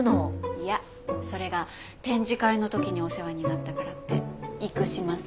いやそれが展示会の時にお世話になったからって生島さんが。